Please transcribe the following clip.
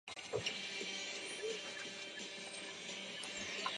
萼状微孔草为紫草科微孔草属下的一个种。